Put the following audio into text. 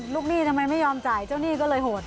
หนี้ทำไมไม่ยอมจ่ายเจ้าหนี้ก็เลยโหด